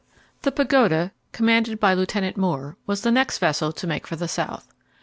The Pagoda, commanded by Lieutenant Moore, was the next vessel to make for the South.